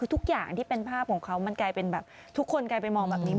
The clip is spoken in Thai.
ทุกอย่างที่เป็นทุกคนมาจากนี้